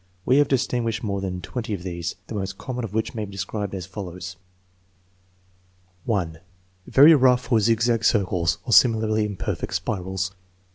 We have distinguished more than twenty of these, the most common of which may be described as follows: 1. Very rough or zigzag circles or similarly imperfect spirals.